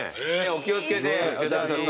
お気を付けて。